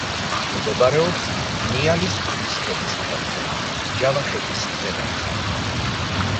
მდებარეობს ნიალისყურის ქედის თხემზე, ჯავახეთის ზეგანზე.